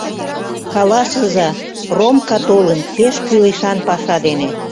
Каласыза, Ромка толын, пеш кӱлешан паша дене.